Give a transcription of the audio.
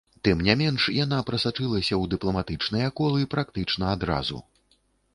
Тым не менш, яна прасачылася ў дыпламатычныя колы практычна адразу.